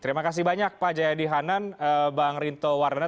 terima kasih banyak pak jayadi hanan bang rinto wardana